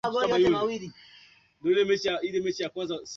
matangazo yanatakiwa kuwepo katika kila programuna ya stesheni